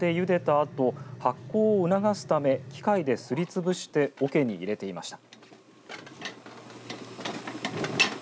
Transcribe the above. あと発酵を促すため機械ですりつぶしておけに入れていました。